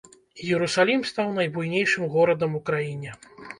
Іерусалім стаў найбуйнейшым горадам у краіне.